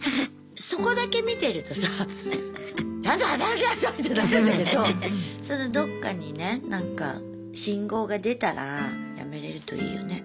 そこだけ見てるとさちゃんと働きなさい！ってなるんだけどそのどっかにねなんか信号が出たら辞めれるといいよね。